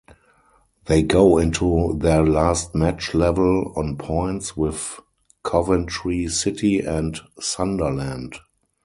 They go into their last match level on points with Coventry City and Sunderland.